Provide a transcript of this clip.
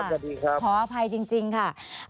ขอบคุณครับสวัสดีครับขออภัยจริงค่ะ